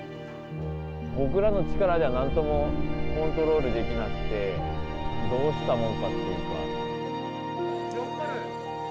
僕らの力ではなんともコントロールできなくて、どうしたものかっていうか。